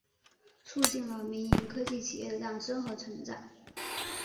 促进了民营科技企业的诞生和成长。